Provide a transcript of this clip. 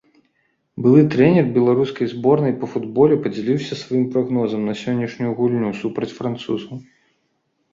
Былы трэнер беларускай зборнай па футболе падзяліўся сваім прагнозам на сённяшнюю гульню супраць французаў.